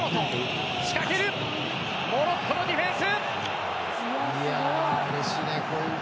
モロッコのディフェンス！